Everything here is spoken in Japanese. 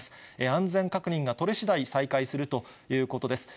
安全確認が取れしだい、再開するということです。